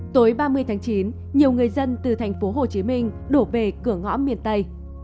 tối ba mươi tháng chín nhiều người dân từ thành phố hồ chí minh đổ về cửa ngõ miền tây